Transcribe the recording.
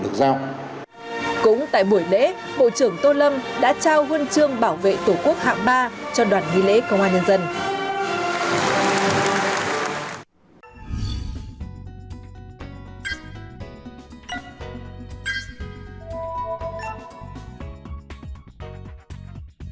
cũng tại buổi lễ bộ trưởng tô lâm đã trao huân chương bảo vệ tổ quốc hạng ba cho đoàn nghi lễ công an nhân dân